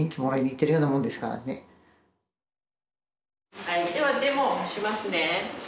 はいではデモをしますね。